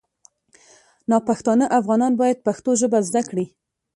ناپښتانه افغانان باید پښتو ژبه زده کړي